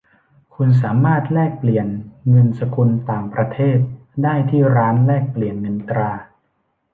คุณสามารถแลกเงินสกุลต่างประเทศได้ที่ร้านแลกเปลี่ยนเงินตรา